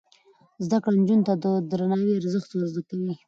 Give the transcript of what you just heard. زده کړه نجونو ته د درناوي ارزښت ور زده کوي.